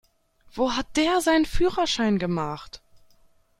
Wo hat der seinen Führerschein gemacht?